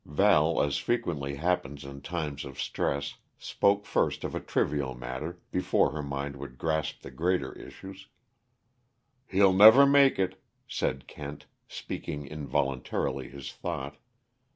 Val, as frequently happens in times of stress, spoke first of a trivial matter, before her mind would grasp the greater issues. "He'll never make it," said Kent, speaking involuntarily his thought.